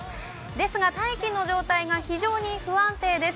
ですが大気の状態が非常に不安定です。